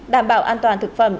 đảm bảo an toàn thực phẩm